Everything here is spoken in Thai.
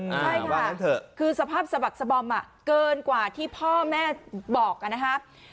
ใช่ค่ะคือสภาพสะบักสบอมเกินกว่าที่พ่อแม่บอกนะครับ